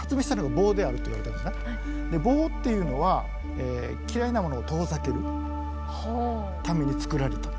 棒っていうのは嫌いなものを遠ざけるためにつくられた。